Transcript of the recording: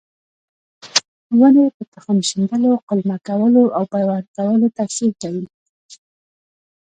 ونې په تخم شیندلو، قلمه کولو او پیوند کولو تکثیر کوي.